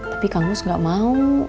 tapi kang mus gak mau